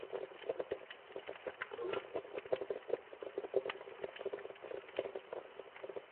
inaunganishwa kwenye vyombo vya jumuia ya Afrika Mashariki ikiwa ni pamoja na Mahakama ya Haki ya Afrika